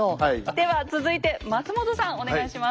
では続いて松本さんお願いします。